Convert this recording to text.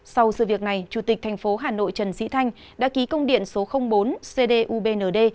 sau sự việc này chủ tịch thành phố hà nội trần sĩ thanh đã ký công điện số bốn cdubnd